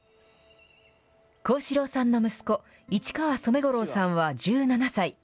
幸四郎さんの息子、市川染五郎さんは１７歳。